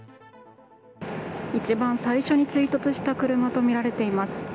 一番最初に追突した車とみられています。